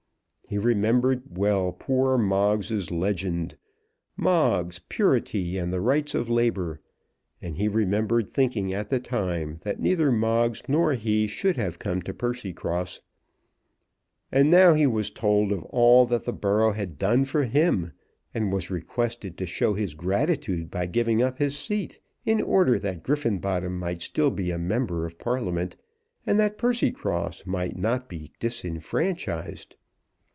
He remembered well poor Moggs's legend, "Moggs, Purity, and the Rights of Labour;" and he remembered thinking at the time that neither Moggs nor he should have come to Percycross. And now he was told of all that the borough had done for him, and was requested to show his gratitude by giving up his seat, in order that Griffenbottom might still be a member of Parliament, and that Percycross might not be disfranchised!